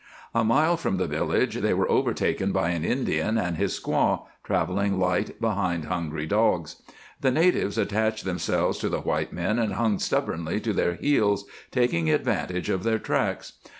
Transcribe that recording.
A mile from the village they were overtaken by an Indian and his squaw, traveling light behind hungry dogs. The natives attached themselves to the white men and hung stubbornly to their heels, taking advantage of their tracks.